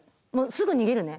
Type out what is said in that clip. すぐ逃げるね。